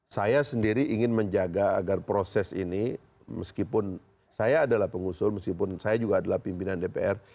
saya sendiri ingin menjaga agar proses ini meskipun saya adalah pengusul meskipun saya juga adalah pimpinan dpr